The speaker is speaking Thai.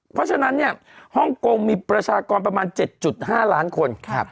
เพราะฉะนั้นเนี่ยฮ่องกงมีประชากรประมาณ๗๕ล้านคน